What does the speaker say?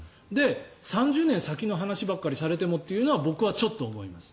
３０年先の話ばっかりされてもというのは僕はちょっと思います。